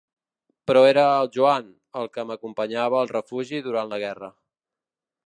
Però era el Joan, el que m'acompanyava al refugi durant la guerra.